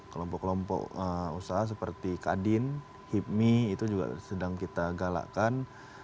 kelompok kelompok usaha seperti kadin hipmi itu juga sedang kita galakkan